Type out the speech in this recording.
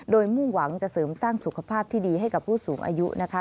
โดยมุ่งหวังจะเสริมสร้างสุขภาพที่ดีให้กับผู้สูงอายุนะคะ